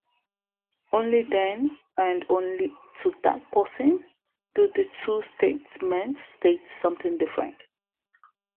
Only then, and only to that person, do the two statements state something different.